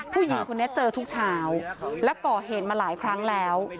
ผู้หญิงคนนี้เจอทุกเช้าและก่อเหตุมาหลายครั้งแล้ว